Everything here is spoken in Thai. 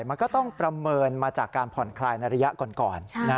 มันก็ต้องประเมินมาจากการผ่อนคลายในระยะก่อน